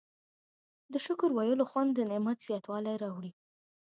د شکر ویلو خوند د نعمت زیاتوالی راوړي.